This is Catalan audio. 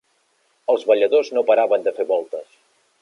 Els balladors no paraven de fer voltes.